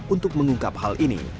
untuk mengungkap hal ini